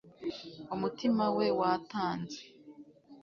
Umutima we watanze